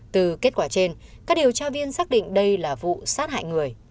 từ kết quả trên các điều tra viên xác định đây là vụ sát hại người